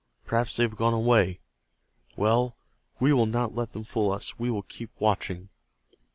Perhaps they have gone away. Well, we will not let them fool us. We will keep watching."